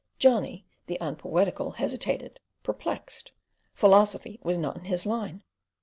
Johnny the unpoetical hesitated, perplexed. Philosophy was not in his line.